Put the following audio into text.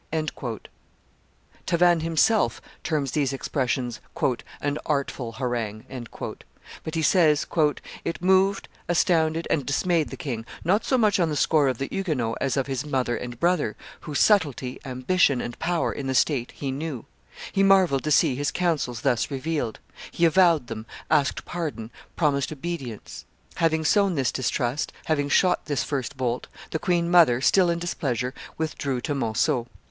Tavannes himself terms these expressions "an artful harangue;" but he says, "it moved, astounded, and dismayed the king, not so much on the score of the Huguenots as of his mother and brother, whose subtlety, ambition, and power in the state he knew; he marvelled to see his counsels thus revealed; he avowed them, asked pardon, promised obedience. Having sown this distrust, having shot this first bolt, the queen mother, still in displeasure, withdrew to Monceaux.